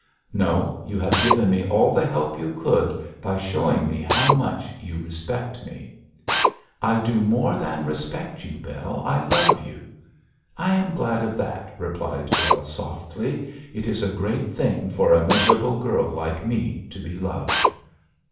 'No; you have given me all the help you could, by showing me how much you respect me.' 'I do more than respect you, Bell; I love you.' 'I am glad of that,' replied Bell, softly; 'it is a great thing for a miserable girl like me to be loved.'